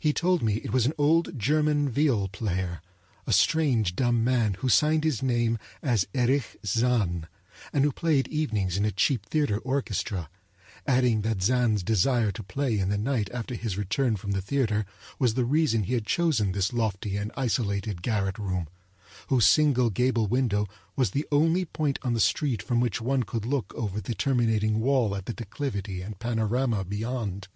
He told me it was an old German viol player, a strange dumb man who signed his name as Erich Zann, and who played evenings in a cheap theater orchestra; adding that Zann's desire to play in the night after his return from the theater was the reason he had chosen this lofty and isolated garret room, whose single gable window was the only point on the street from which one could look over the terminating wall at the declivity and panorama beyond.